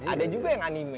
ada juga yang anime